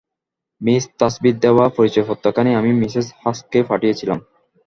Miss থার্সবির দেওয়া পরিচয়পত্রখানি আমি মিসেস হার্স্টকে পাঠিয়েছিলাম।